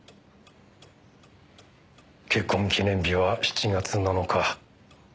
結婚記念日は７月７日。